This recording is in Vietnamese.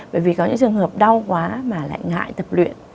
bởi vì có những trường hợp đau quá mà lại ngại tập luyện